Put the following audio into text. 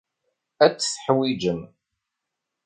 Ad t-teḥwijem.